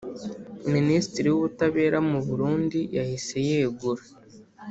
Minisiti w’ubutabera mu Burundi yahise yegura.